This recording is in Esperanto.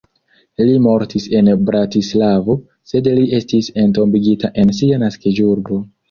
Li mortis en Bratislavo, sed li estis entombigita en sia naskiĝurbo.